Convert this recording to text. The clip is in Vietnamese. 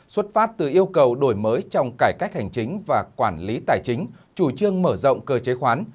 xuất phát từ yêu cầu đổi mới trong cải cách hành chính và quản lý tài chính chủ trương mở rộng cơ chế khoán